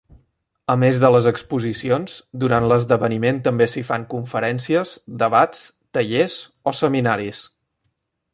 A més de les exposicions, durant l'esdeveniment també s'hi fan conferències, debats, tallers o seminaris.